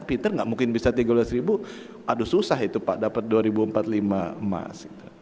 peter nggak mungkin bisa tiga belas ribu aduh susah itu pak dapat dua ribu empat puluh lima emas